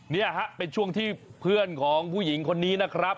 นี่ฮะเป็นช่วงที่เพื่อนของผู้หญิงคนนี้นะครับ